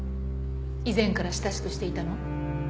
以前から親しくしていたの？